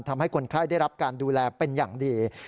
ทำให้คนไข้ได้รับการดูแลเป็นอย่างดี